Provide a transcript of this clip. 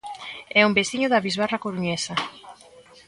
É un veciño da bisbarra coruñesa.